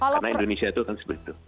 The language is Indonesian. karena indonesia itu kan seperti itu